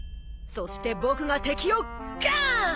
そして僕が敵をガーン！